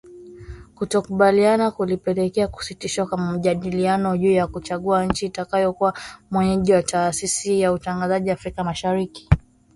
Kutokukubaliana kulipelekea kusitishwa kwa majadiliano juu ya kuchagua nchi itakayokuwa mwenyeji wa taasisi ya utangazaji Afrika Mashariki .